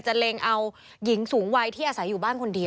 เล็งเอาหญิงสูงวัยที่อาศัยอยู่บ้านคนเดียว